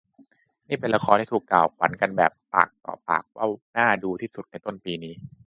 นี่เป็นละครที่ถูกกล่าวขวัญกันแบบปากต่อปากว่าน่าดูที่สุดในต้นปีนี้